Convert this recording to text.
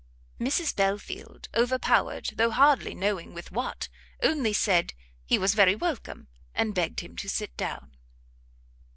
Mrs Belfield, overpowered, though hardly knowing, with what, only said he was very welcome, and begged him to sit down.